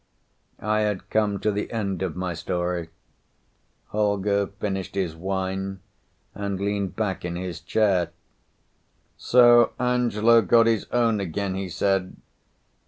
I had come to the end of my story. Holger finished his wine and leaned back in his chair. _"So Angelo got his own again," he said.